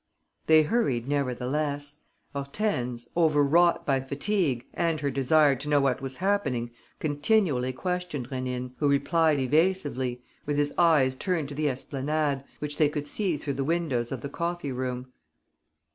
They hurried nevertheless. Hortense, overwrought by fatigue and her desire to know what was happening, continually questioned Rénine, who replied evasively, with his eyes turned to the esplanade, which they could see through the windows of the coffee room.